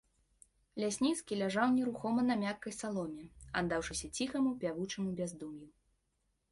Лясніцкі ляжаў нерухома на мяккай саломе, аддаўшыся ціхаму пявучаму бяздум'ю.